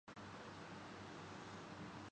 میرے صبر کا امتحان مت لو تم برا کیوں مناتے ہو